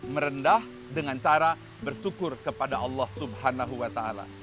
merendah dengan cara bersyukur kepada allah swt